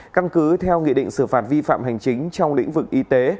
căn cứ theo nghị định xử phạt vi phạm hành chính trong lĩnh vực y tế